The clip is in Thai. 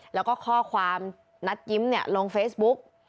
แล้วก็ข้อความนัดยิ้มลงเฟซบุ๊ก